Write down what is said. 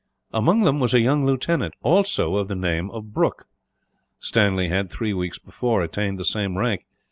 Among them was a young lieutenant, also of the name of Brooke. Stanley had, three weeks before, attained the same rank.